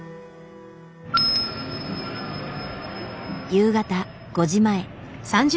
夕方５時前。